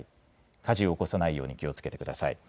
火事を起こさないように気をつけてください。